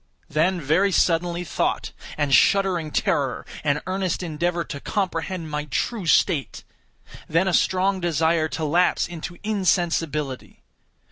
Then, very suddenly, thought, and shuddering terror, and earnest endeavor to comprehend my true state. Then a strong desire to lapse into insensibility.